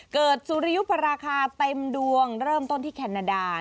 สุริยุปราคาเต็มดวงเริ่มต้นที่แคนาดา